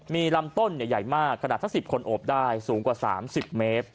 มีลำต้นเนี้ยใหญ่มากขนาดถ้าสิบคนอบได้สูงกว่าสามสิบเมตร